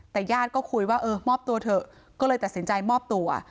แต่ญาติก็คุยว่าเออมอบตัวเถอะก็เลยตัดสินใจมอบตัว